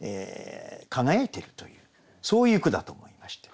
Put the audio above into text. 輝いてるというそういう句だと思いました。